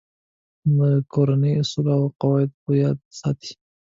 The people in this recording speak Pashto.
د کورنۍ اصول او قواعد په یاد ساتئ.